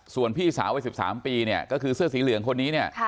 ส่วนพี่สาววัย๑๓ปีเนี่ยก็คือเสื้อสีเหลืองคนนี้เนี่ย